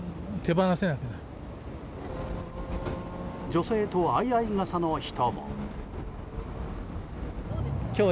女性と相合傘の人も。